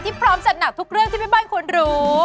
พร้อมจัดหนักทุกเรื่องที่แม่บ้านควรรู้